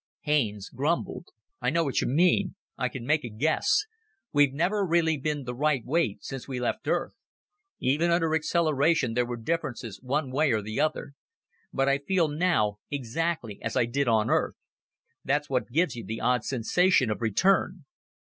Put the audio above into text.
Haines grumbled. "I know what you mean. I can make a guess. We've never really been the right weight since we left Earth. Even under acceleration there were differences one way or the other. But I feel now exactly as I did on Earth. That's what gives you the odd sensation of return."